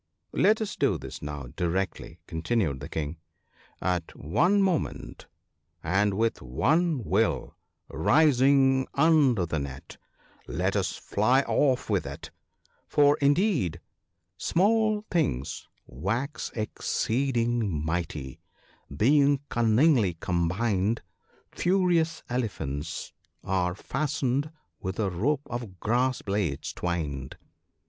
1 Let us do this now directly/ continued the King :' at one moment and with one will, rising under the net, let us fly off with it : for indeed Small things wax exceeding mighty, being cunningly combined : Furious elephants are fastened with a rope of grass blades twined.